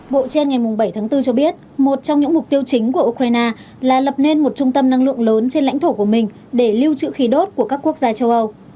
bộ trên ngày bảy tháng bốn cho biết một trong những mục tiêu chính của ukraine là lập nên một trung tâm năng lượng lớn trên lãnh thổ của mình để lưu trữ khí đốt của các quốc gia châu âu